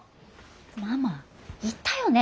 ママ言ったよね。